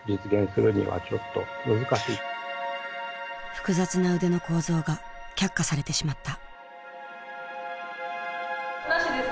複雑な腕の構造が却下されてしまった。